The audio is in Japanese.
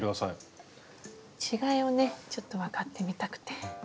違いをねちょっと分かってみたくて。